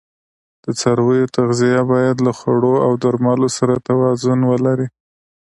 د څارویو تغذیه باید له خوړو او درملو سره توازون ولري.